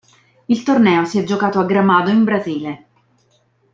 Il torneo si è giocato a Gramado in Brasile.